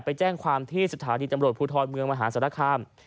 ไปแจ้งความที่สถานีตำรวจภูทรเมืองมหาศาลคาม